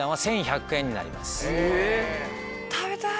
食べたい。